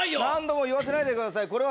何度も言わせないでください。